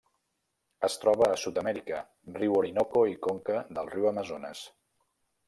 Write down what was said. Es troba a Sud-amèrica: riu Orinoco i conca del riu Amazones.